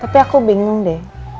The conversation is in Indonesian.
tapi aku bingung deh